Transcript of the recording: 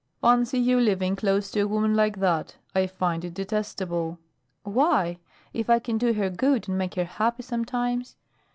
"Fancy you living close to a woman like that! I find it detestable." "Why? if I can do her good and make her happy, sometimes?"